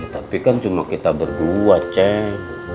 tapi kan cuma kita berdua cek